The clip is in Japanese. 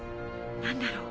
何だろう？